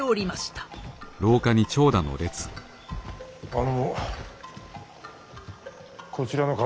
あのこちらの方々は？